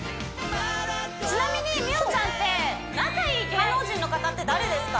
ちなみに美桜ちゃんって仲良い芸能人の方って誰ですか？